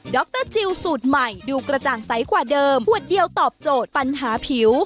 รจิลสูตรใหม่ดูกระจ่างใสกว่าเดิมอวดเดียวตอบโจทย์ปัญหาผิว